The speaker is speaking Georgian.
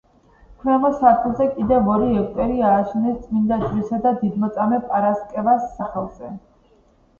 ქვემო სართულზე კიდევ ორი ეგვტერი ააშენეს წმინდა ჯვრისა და დიდმოწამე პარასკევას სახელზე.